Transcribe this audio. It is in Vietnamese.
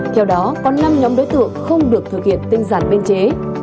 theo đó có năm nhóm đối tượng không được thực hiện tinh giản biên chế